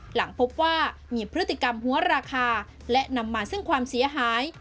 หลังพบว่ามีพฤติกรรมหัวราคาและนำมาซึ่งความเสียหาย